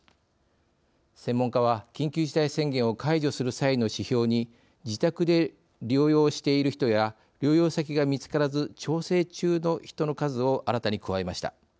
専門家は緊急事態宣言を解除する際の指標に自宅で療養している人や療養先が見つからず調整中の人の数を新たに加えました。